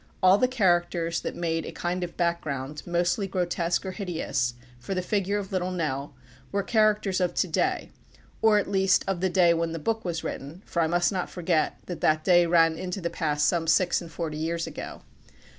All the characters that made a kind of background, mostly grotesque or hideous, for the figure of Little Nell, were characters of to day, or at least of the day when the book was written; for I must not forget that that day ran into the past some six and forty years ago.